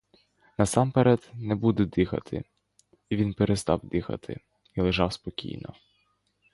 Насамперед не буде дихати — і він перестав дихати і лежав спокійно.